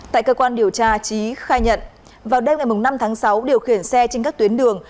tại cơ quan điều tra trí khai nhận vào đêm ngày năm tháng sáu điều khiển xe trên các tuyến đường